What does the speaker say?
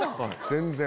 全然！